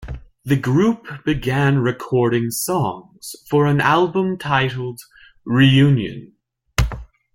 The group began recording songs for an album titled "Reunion".